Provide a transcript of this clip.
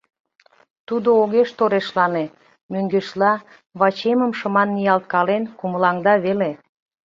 Тудо огеш торешлане, мӧҥгешла, вачемым шыман ниялткален кумылаҥда веле.